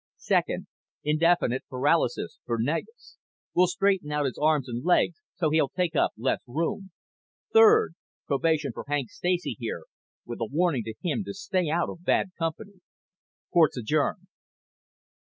Second, indefinite paralysis for Negus. We'll straighten out his arms and legs so he'll take up less room. Third, probation for Hank Stacy here, with a warning to him to stay out of bad company. Court's adjourned."